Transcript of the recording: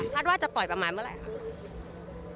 ว่าจะปล่อยประมาณเมื่อไหร่ครับ